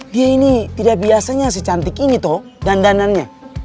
dia ini tidak biasanya secantik ini toh dandanannya